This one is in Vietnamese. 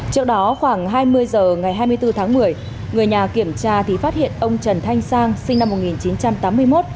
trước đó khoảng hai mươi h ngày hai mươi bốn tháng một mươi người nhà kiểm tra thì phát hiện ông trần thanh sang sinh năm một nghìn chín trăm tám mươi một